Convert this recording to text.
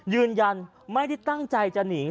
ยืนยันไม่ได้ตั้งใจจะหนี